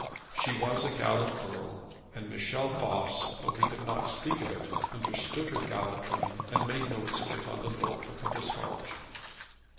She was a gallant girl, and Michel Voss, though he could not speak of it, understood her gallantry and made notes of it on the note book of his heart.